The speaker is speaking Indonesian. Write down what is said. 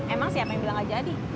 emang siapa yang bilang gak jadi